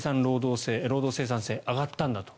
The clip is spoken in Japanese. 労働生産性が上がったんだと。